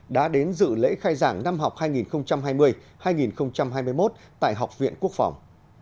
đã đến dự lễ khai giảng năm học hai nghìn hai mươi hai nghìn hai mươi một tại học viện quốc phòng